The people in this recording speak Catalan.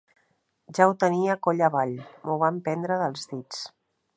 Ja ho tenia coll avall; m'ho van prendre dels dits.